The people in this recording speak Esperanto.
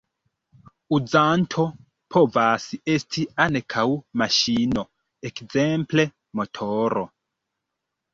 Uzanto povas esti ankaŭ maŝino, ekzemple motoro.